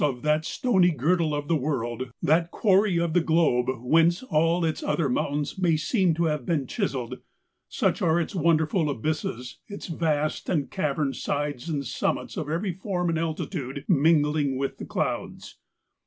of that "stony girdle of the world," that quarry of the globe, whence all its other mountains may seem to have been chiselled; such are its wonderful abysses, its vast and cavern ed sides and summits of every form and altitude mingling with the clouds.